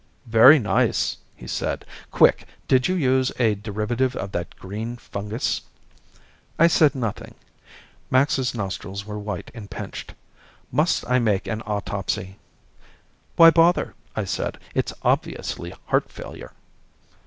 "Very nice," he said. "Quick. Did you use a derivative of that green fungus?" I said nothing. Max's nostrils were white and pinched. "Must I make an autopsy?" "Why bother?" I said. "It's obviously heart failure."